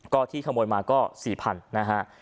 ก็ที่ขโมยมาก็๔๐๐๐นะฮะ